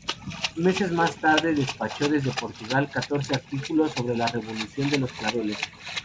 Meses más tarde despachó desde Portugal catorce artículos sobre la Revolución de los claveles.